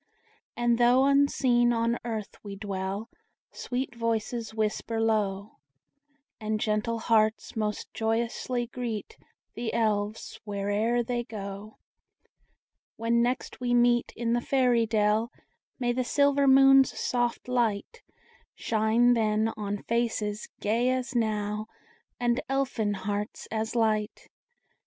And though unseen on earth we dwell, Sweet voices whisper low, And gentle hearts most joyously greet The Elves where'er they go. When next we meet in the Fairy dell, May the silver moon's soft light Shine then on faces gay as now, And Elfin hearts as light.